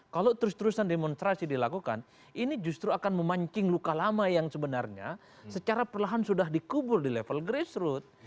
kalau terus terusan demonstrasi dilakukan ini justru akan memancing luka lama yang sebenarnya secara perlahan sudah dikubur di level grassroot